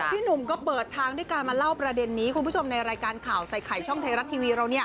พี่หนุ่มก็เปิดทางด้วยการมาเล่าประเด็นนี้คุณผู้ชมในรายการข่าวใส่ไข่ช่องไทยรัฐทีวีเรา